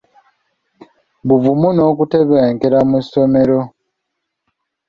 Buvumu n'Okutebenkera mu ssomero.